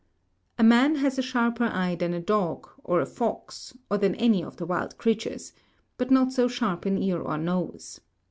A man has a sharper eye than a dog, or a fox, or than any of the wild creatures; but not so sharp an ear or nose.